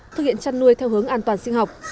thực hiện chăn nuôi theo hướng an toàn sinh học